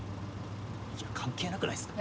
いや関係なくないっすか？